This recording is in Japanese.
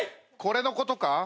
これのことか？